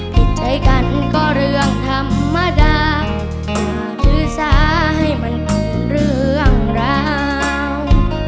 ผิดใจกันก็เรื่องธรรมดาอย่าพื้นซ้ายให้มันเป็นเรื่องราว